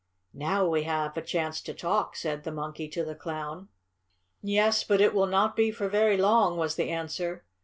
"Now we have a chance to talk," said the Monkey to the Clown. "Yes, but it will not be for very long," was the answer.